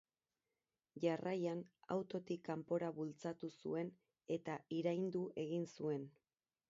Jarraian, autotik kanpora bultzatu zuen eta iraindu egin zuen.